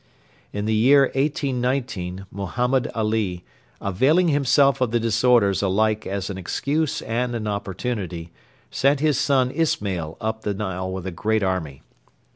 In the year 1819 Mohammed Ali, availing himself of the disorders alike as an excuse and an opportunity, sent his son Ismail up the Nile with a great army.